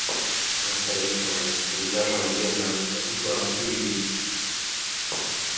Atceries mani, pirms dažām dienām es tev izglābu dzīvību?